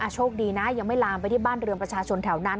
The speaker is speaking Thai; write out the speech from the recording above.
โชคดีนะยังไม่ลามไปที่บ้านเรือนประชาชนแถวนั้น